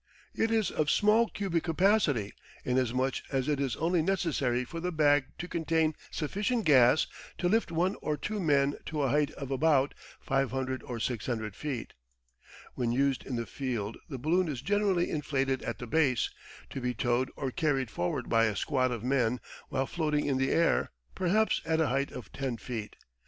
It is of small cubic capacity, inasmuch as it is only necessary for the bag to contain sufficient gas to lift one or two men to a height of about 500 or 600 feet. When used in the field the balloon is generally inflated at the base, to be towed or carried forward by a squad of men while floating in the air, perhaps at a height of 10 feet.